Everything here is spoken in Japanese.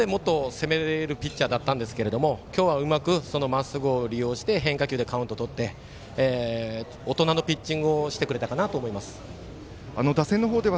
まっすぐでもっと攻めれるピッチャーだったんですけど今日はうまくそのまっすぐを利用して変化球でカウントをとって大人のピッチングをしてくれたかなと思います。